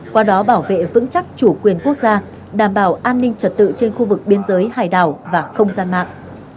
qua đó bảo vệ vững chắc chủ quyền quốc gia đảm bảo an ninh trật tự trên khu vực biên giới hải đảo và không gian mạng